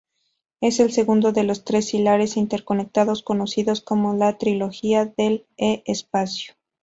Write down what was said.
Es el segundo de los tres seriales interconectados conocidos como la Trilogía del E-Espacio.